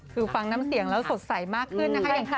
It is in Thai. คือฟังน้ำเสียงแล้วสดใสมากขึ้นนะคะ